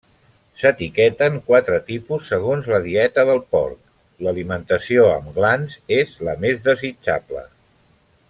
S'etiqueten quatre tipus, segons la dieta del porc, l'alimentació amb glans és la més desitjable.